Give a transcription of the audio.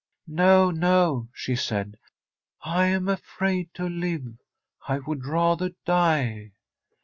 * No, no/ she said ;' I am afraid to live ; I would rather die.'